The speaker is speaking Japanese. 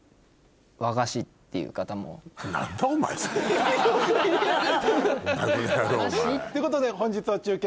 っていう方も。ということで本日の中継